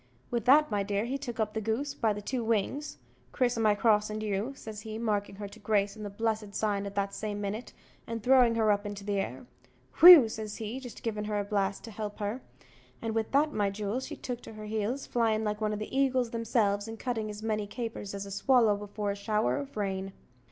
With that, my dear, he took up the goose by the two wings "Criss o' my cross an you," says he, markin' her to grace with the blessed sign at the same minute and throwing her up in the air, "whew," says he, jist givin' her a blast to help her; and with that, my jewel, she took to her heels, flyin' like one o' the eagles themselves, and cutting as many capers as a swallow before a shower of rain.